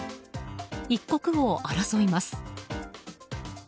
一刻を争います。